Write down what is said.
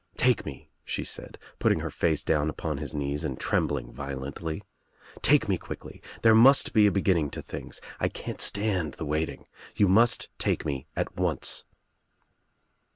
"Take me," she said, putting her face down upon his knees and trembling violently. "Take me quickly. There must be a beginning to things. I can't stand the waiting. You must take me at once."